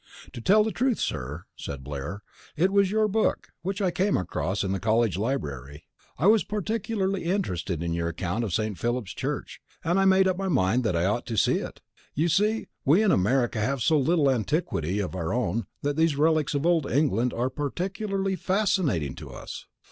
"To tell the truth, sir," said Blair, "it was your book, which I came across in the college library. I was particularly interested in your account of St. Philip's Church, and I made up my mind that I ought to see it. You see, we in America have so little antiquity of our own that these relics of old England are peculiarly fascinating to us."